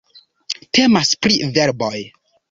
Temas pri verboj.